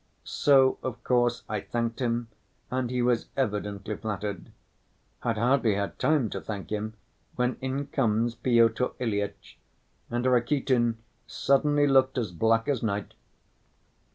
So, of course, I thanked him, and he was evidently flattered. I'd hardly had time to thank him when in comes Pyotr Ilyitch, and Rakitin suddenly looked as black as night.